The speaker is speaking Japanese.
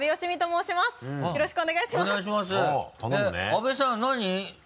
阿部さん何？